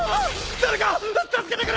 誰か助けてくれ！